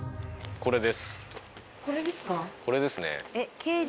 これですね。